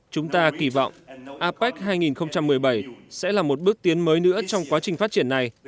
chúng ta kỳ vọng apec hai nghìn một mươi bảy sẽ là một bước tiến mới nữa trong quá trình phát triển này